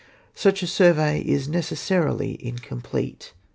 Such a survey is necessarily incomplete.